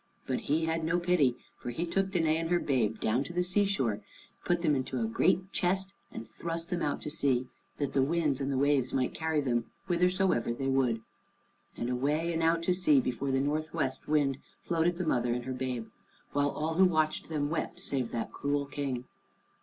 But he had no pity, for he took Danæ and her babe down to the seashore, and put them into a great chest and thrust them out to sea, that the winds and the waves might carry them whithersoever they would. And away and out to sea before the northwest wind floated the mother and her babe, while all who watched them wept, save that cruel King.